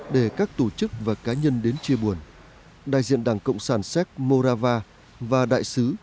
để các tổ chức và cá nhân đến chia buồn đại diện đảng cộng sản séc morava và đại sứ